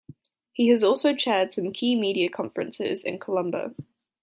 He has also chaired some key media conferences in Colombo.